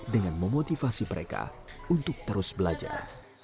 dengan memotivasi mereka untuk terus belajar